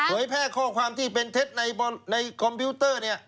สวยแพร่ข้อความที่เป็นเท็จในคอมพิวเตอร์